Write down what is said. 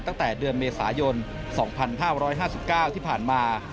ตั้งแต่เดือนเมษายน๒๕๕๙ที่ผ่านมา